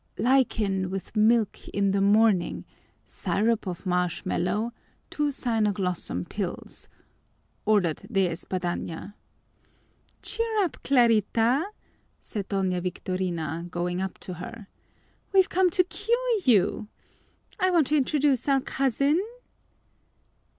"Lichen with milk in the morning, syrup of marshmallow, two cynoglossum pills!" ordered De Espadaña. "Cheer up, Clarita!" said Doña Victorina, going up to her. "We've come to cure you. I want to introduce our cousin."